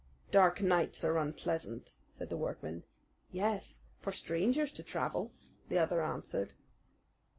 "Dark nights are unpleasant," said the workman. "Yes, for strangers to travel," the other answered.